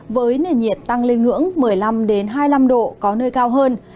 với nền nhiệt tăng lên ngưỡng một mươi năm hai mươi năm độ có nơi cao hơn